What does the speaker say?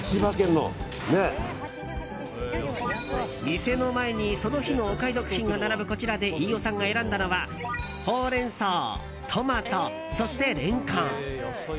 店の前にその日のお買い得品が並ぶこちらで飯尾さんが選んだのはホウレンソウ、トマトそしてレンコン。